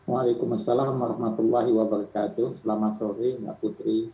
waalaikumsalam warahmatullahi wabarakatuh selamat sore mbak putri